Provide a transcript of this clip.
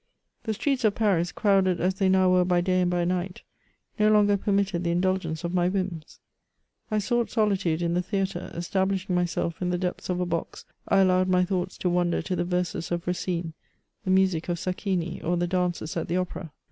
The streets of Paris, crowded as they now were by day and by night, no longer permitted the indulgence of my whims. I sougm solitude in the theatre ; establishing myself in the depths of a box, I allowed my thoughts to wander to the verses of Racine, the music of Sacchini, or the dances at the opera.